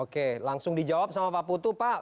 oke langsung dijawab sama pak putu pak